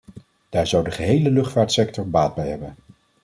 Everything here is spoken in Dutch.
Daar zou de gehele luchtvaartsector baat bij hebben.